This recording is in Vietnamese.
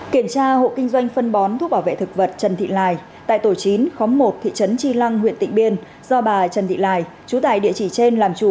kiểm tra hộ kinh doanh phân bón thuốc bảo vệ thực vật trần thị lài tại tổ chín khóm một thị trấn tri lăng huyện tịnh biên do bà trần thị lài chú tại địa chỉ trên làm chủ